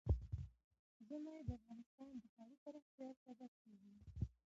ژمی د افغانستان د ښاري پراختیا سبب کېږي.